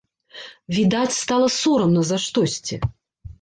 Відаць, стала сорамна за штосьці.